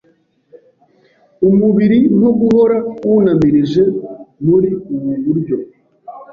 umubiri nko guhora wunamirije. Muri ubu buryo